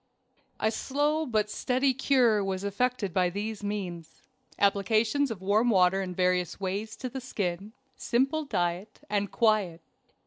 A slow but steady cure was effected by these means: applications of water in various ways to the skin, simple diet, and quiet.